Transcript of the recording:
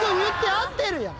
合ってるやん。